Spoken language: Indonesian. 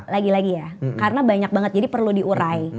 lagi lagi ya karena banyak banget jadi perlu diurai